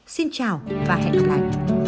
xin chào và hẹn gặp lại